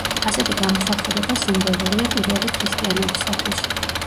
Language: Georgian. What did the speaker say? ასეთი გამოსახულება სიმბოლურია პირველი ქრისტიანებისათვის.